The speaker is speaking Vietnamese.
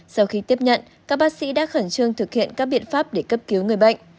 sau khi tiếp nhận các bác sĩ đã khẩn trương thực hiện các biện pháp để cấp cứu người bệnh